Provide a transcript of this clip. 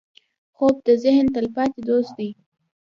خوب د ذهن تلپاتې دوست دی